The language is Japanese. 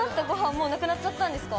もうなくなっちゃったんですか？